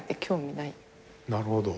なるほど。